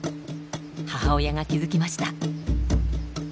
母親が気付きました。